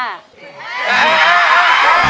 เนไง